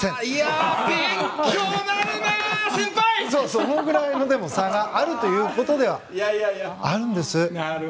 そのぐらいの差があるということではあるんです。